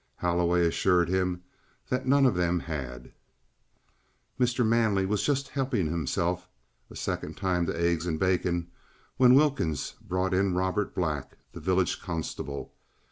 Holloway assured him that none of them had. Mr. Manley had just helped himself a second time to eggs and bacon when Wilkins brought in Robert Black, the village constable.